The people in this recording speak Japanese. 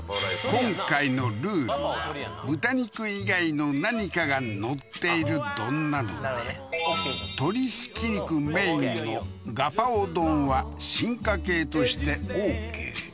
今回のルールは豚肉以外の何かが載っている丼なので鶏ひき肉メインのガパオ丼は進化形としてＯＫ